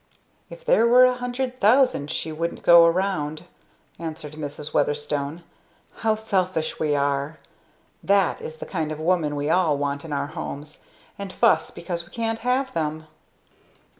"If there were a hundred thousand she wouldn't go round!" answered Mrs. Weatherstone. "How selfish we are! That is the kind of woman we all want in our homes and fuss because we can't have them."